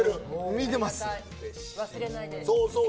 見てます。